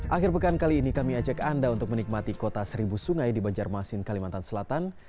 akhir pekan kali ini kami ajak anda untuk menikmati kota seribu sungai di banjarmasin kalimantan selatan